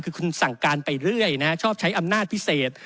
คือคุณสั่งการไปเรื่อยนะฮะชอบใช้อำนาจพิเศษ